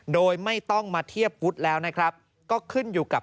โดยไม่ต้องมาเทียบวุฒิแล้วนะครับก็ขึ้นอยู่กับ